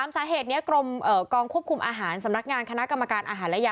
สาเหตุนี้กรมควบคุมอาหารสำนักงานคณะกรรมการอาหารและยา